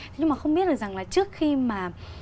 tôi không biết được rằng là trước khi mà